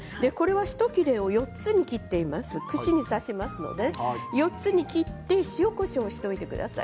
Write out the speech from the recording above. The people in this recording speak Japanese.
ひと切れを４つに切っています、串に刺しますので４つに切って、塩、こしょうをしておいてください。